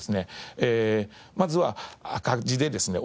まずは赤字でですね